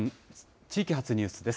地域発ニュースです。